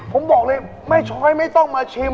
ผมบอกเลยแม่ช้อยไม่ต้องมาชิม